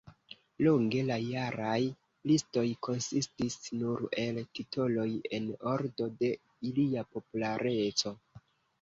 Longe la jaraj listoj konsistis nur el titoloj en ordo de ilia populareco.